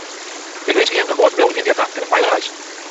Ik winskje jimme in moai ferbliuw yn Yndia ta en in feilige reis.